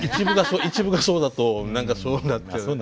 一部がそうだと何かそうなっちゃう。